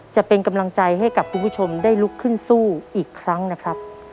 จะเป็นกำลังใจให้กับคุณผู้ชมได้ลุกขึ้นสู้อีกครั้งนะครับ